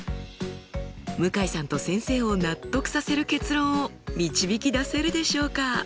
向井さんと先生を納得させる結論を導き出せるでしょうか？